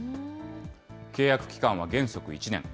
契約期間は原則１年。